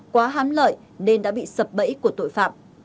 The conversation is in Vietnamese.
quá hám lợi nên đã bị sập bẫy của tội phạm